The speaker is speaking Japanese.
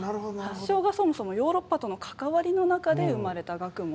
発祥がそもそもヨーロッパとの関わりの中で生まれた学問。